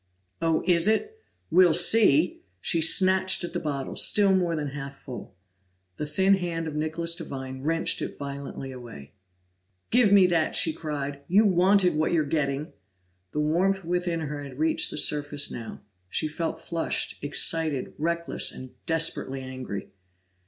"Oh, it is? We'll see!" She snatched at the bottle, still more than half full. The thin hand of Nicholas Devine wrenched it violently away. "Give me that!" she cried. "You wanted what you're getting!" The warmth within her had reached the surface now; she felt flushed, excited, reckless, and desperately angry.